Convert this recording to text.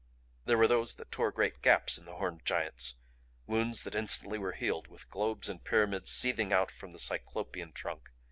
There were those that tore great gaps in the horned giants wounds that instantly were healed with globes and pyramids seething out from the Cyclopean trunk.